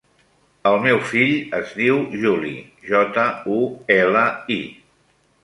El meu fill es diu Juli: jota, u, ela, i.